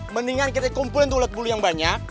mendingan kita kumpulin tuh bulet buluh yang banyak